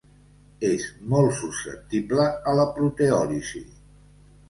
És molt susceptible a la proteòlisi.